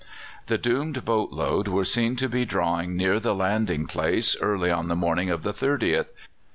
The doomed boat load were seen to be drawing near the landing place early on the morning of the 30th.